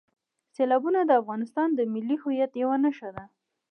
سیلابونه د افغانستان د ملي هویت یوه نښه ده.